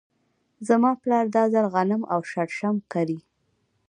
زما پلار دا ځل غنم او شړشم کري.